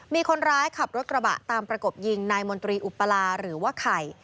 มีคนร้ายขับรถกระบะตามประกบยิงนายมนตรีอุปราหรือว่าไข่